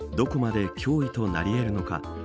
どこまで脅威となり得るのか。